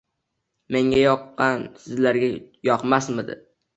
Menga joqqani sizlarga jokmajdi